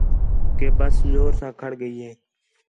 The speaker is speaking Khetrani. کہ بس زور ساں کھڑ ڳئی ہِے